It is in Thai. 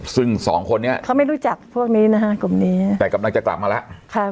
ซึ่งสองคนนี้เขาไม่รู้จักพวกนี้นะฮะกลุ่มนี้แต่กำลังจะกลับมาแล้วค่ะ